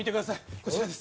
こちらです